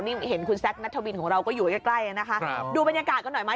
นี่เห็นคุณแซคนัทวินของเราก็อยู่ใกล้ใกล้นะคะดูบรรยากาศกันหน่อยไหม